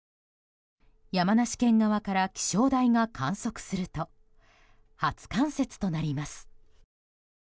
山梨県側から気象台が観測すると初冠雪となります。